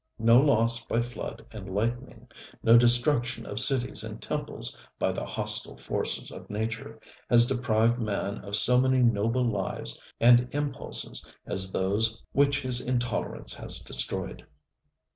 No loss by flood and lightning, no destruction of cities and temples by the hostile forces of nature, has deprived man of so many noble lives and impulses as those which his intolerance has destroyed.